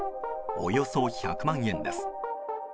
およそ１００万円です。